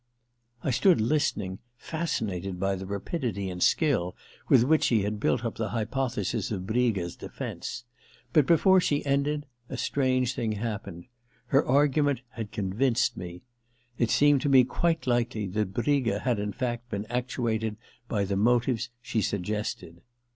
I stood listening, fascinated by the rapidity and skill with which she had built up the hypothesis of Briga's defence. But before she II THE LETTER 259 ended a strange thing happened — ^her argument had convinced me. It seemed to me quite likely that Briga had in fact been actuated by the motives she suggested.